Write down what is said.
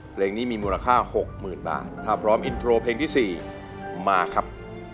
เพลงนี้มีมูลค่า๖๐๐๐บาทถ้าพร้อมอินโทรเพลงที่๔มาครับ